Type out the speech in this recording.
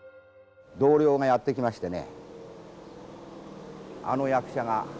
同僚がやって来ましてね。